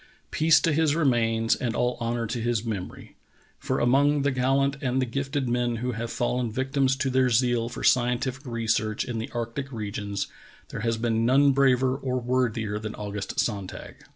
Peace to his remains and all honor to his memory. For among the gallant and the gifted men who have fallen victims to their zeal for scientific research in the arctic regions, there has been none braver or worthier than August Sonn tag.